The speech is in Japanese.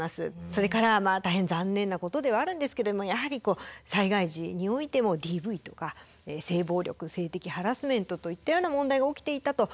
それから大変残念なことではあるんですけれどもやはり災害時においてもＤＶとか性暴力性的ハラスメントといったような問題が起きていたと。